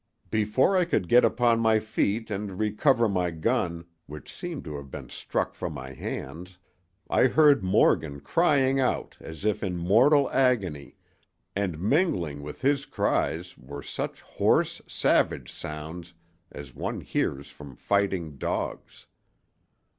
"Before I could get upon my feet and recover my gun, which seemed to have been struck from my hands, I heard Morgan crying out as if in mortal agony, and mingling with his cries were such hoarse, savage sounds as one hears from fighting dogs.